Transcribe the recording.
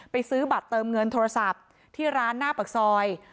ซื้อบัตรเติมเงินโทรศัพท์ที่ร้านหน้าปากซอย